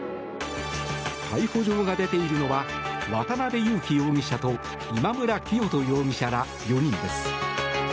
逮捕状が出ているのは渡邉優樹容疑者と今村磨人容疑者ら４人です。